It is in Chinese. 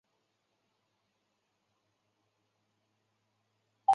其后他生平不详。